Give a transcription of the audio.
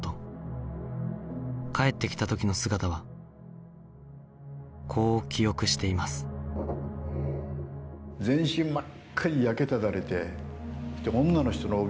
帰ってきた時の姿はこう記憶していますはあ。